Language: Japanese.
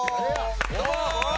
どうも！